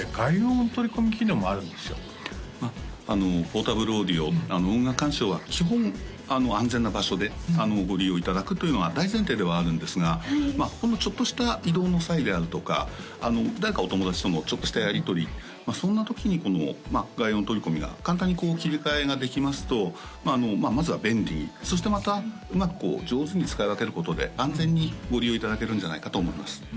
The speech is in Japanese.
ポータブルオーディオ音楽鑑賞は基本安全な場所でご利用いただくというのが大前提ではあるんですがほんのちょっとした移動の際であるとか誰かお友達とのちょっとしたやりとりそんな時に外音取り込みが簡単に切り替えができますとまあまずは便利そしてまたうまく上手に使い分けることで安全にご利用いただけるんじゃないかと思います